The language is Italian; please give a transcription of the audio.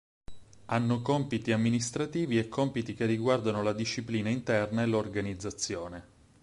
Hanno compiti amministrativi e compiti che riguardano la disciplina interna e l'organizzazione.